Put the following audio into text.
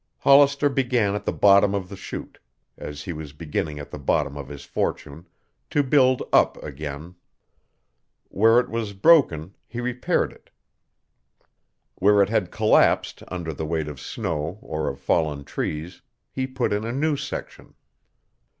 Hollister began at the bottom of the chute, as he was beginning at the bottom of his fortune, to build up again. Where it was broken he repaired it. Where it had collapsed under the weight of snow or of fallen trees he put in a new section.